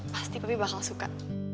pasti papi bakal suka